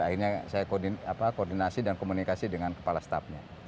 akhirnya saya koordinasi dan komunikasi dengan kepala stafnya